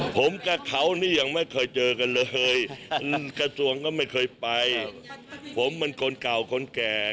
ผิดต้องไปผมเป็นคนเก่าคนแก่